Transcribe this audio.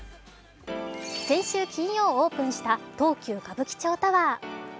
先週金曜オープンした東急歌舞伎町タワー。